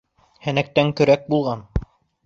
Һәнәктән көрәк булған.